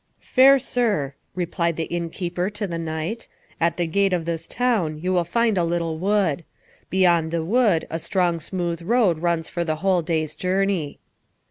"Fair sir," replied the innkeeper to the knight, "at the gate of this town you will find a little wood. Beyond the wood a strong smooth road runs for the whole day's journey."